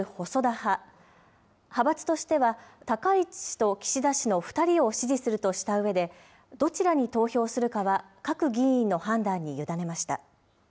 派閥としては、高市氏と岸田氏の２人を支持するとしたうえで、どちらに投票するかは、各議員の判断に委ねました。